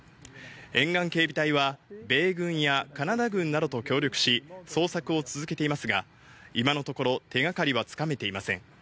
沿岸警備隊は米軍やカナダ軍などと協力し、捜索を続けていますが、今のところ手掛かりはつかめていません。